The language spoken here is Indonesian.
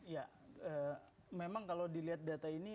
ya memang kalau dilihat data ini